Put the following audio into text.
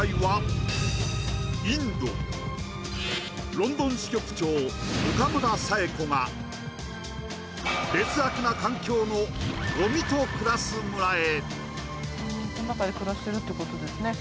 ロンドン支局長・岡村佐枝子が、劣悪な環境のごみと暮らす村へ。